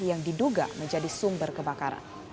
yang diduga menjadi sumber kebakaran